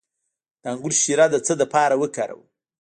د انګور شیره د څه لپاره وکاروم؟